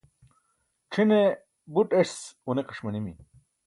c̣ʰine buṭ es ġuniqiṣ manimi